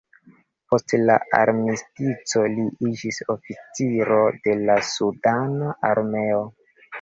Post la armistico li iĝis oficiro de la sudana armeo.